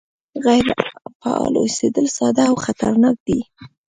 غیر فعال اوسېدل ساده او خطرناک دي